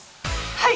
はい。